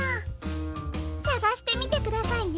さがしてみてくださいね。